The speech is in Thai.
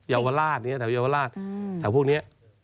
เยาวราชแถวเยาวราชแถวพวกนี้